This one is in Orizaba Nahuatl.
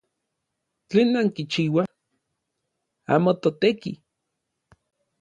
¿Tlen nankichiuaj? ¡Amo toteki!